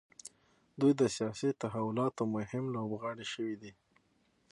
دوی د سیاسي تحولاتو مهم لوبغاړي شوي دي.